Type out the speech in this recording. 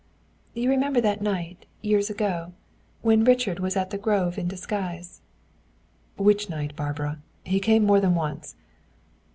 "You remember that night, years ago, when Richard was at the Grove in disguise " "Which night, Barbara? He came more than once."